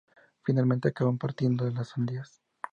Finalmente acaban compartiendo las sandías.